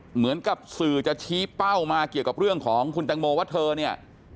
เหมือนกับสื่อจะชี้เป้ามาเกี่ยวกับเรื่องของคุณแตงโมว่าเธอเนี่ย